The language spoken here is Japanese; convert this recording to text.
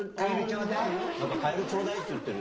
「カエルちょうだい」って言ってる。